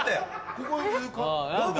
ここに？